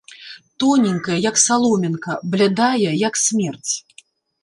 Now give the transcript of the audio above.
Тоненькая, як саломінка, блядая, як смерць!